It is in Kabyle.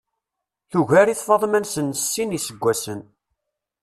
Tugar-it Faḍma-nsen s sin n yiseggasen.